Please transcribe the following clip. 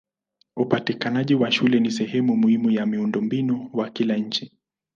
Upatikanaji wa shule ni sehemu muhimu ya miundombinu wa kila nchi.